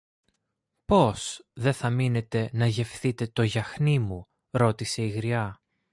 Πώς; Δε θα μείνετε να γευθείτε το γιαχνί μου; ρώτησε η γριά.